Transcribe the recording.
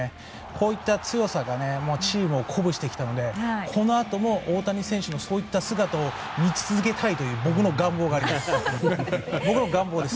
こういった強さがチームを鼓舞してきたのでこのあとも大谷選手のそういった姿を見続けたいという僕の願望があります。